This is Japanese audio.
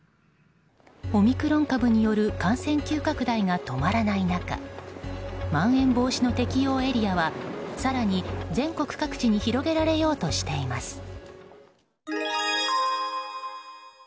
オミクロン株による感染急拡大が止まらない中まん延防止の適用エリアは更に全国各地にひ広げられようとしています。